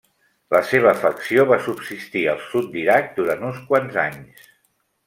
La seva facció va subsistir al sud d'Iraq durant uns quants anys.